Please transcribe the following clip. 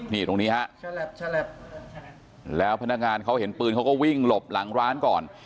นี่ตรงนี้ฮะแล้วพนักงานเขาเห็นปืนเขาก็วิ่งหลบหลังร้านก่อน